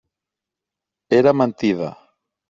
Era mentida.